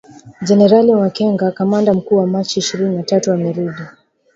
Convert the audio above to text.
Jenerali Makenga, kamanda mkuu wa Machi ishirini na tatu amerudi